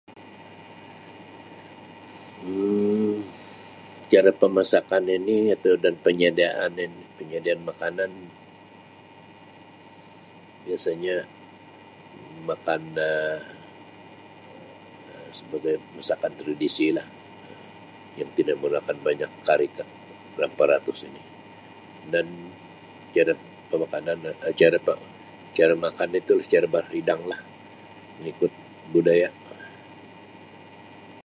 Um Cara pemasakan ini atau dan penyediaan in- penyediaan makanan biasanya makana Um sebagai masakan tradisilah Um yang telah mulakan banyak [unintelligible] barapa ratus ini dan tiada pemakanan Um cara makan itu secara berhidanglah mengikut budaya.